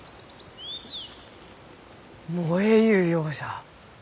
燃えゆうようじゃ。